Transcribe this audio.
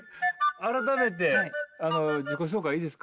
改めて自己紹介いいですか？